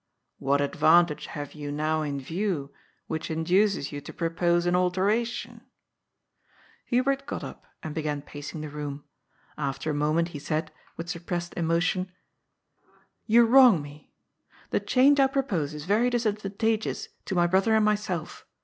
What advantage have you now in view which induces you to propose an alteration ?" Hubert got up and began pacing the room. After a moment he said, with suppressed emotion :" You wrong me. The change I propose is very disadvantageous to my brother and myself.